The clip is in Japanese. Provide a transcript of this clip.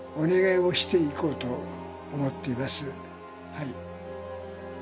はい。